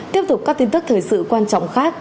tiếp tục các tin tức thời sự quan trọng khác